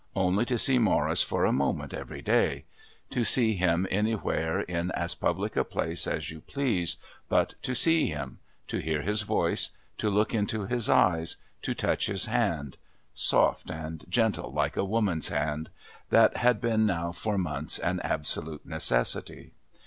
Only to see Morris for a moment every day. To see him anywhere in as public a place as you please, but to see him, to hear his voice, to look into his eyes, to touch his hand (soft and gentle like a woman's hand) that had been now for months an absolute necessity.